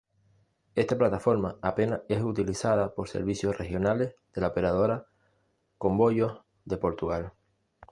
Esta plataforma apenas es utilizada por servicios Regionales de la operadora Comboios de Portugal.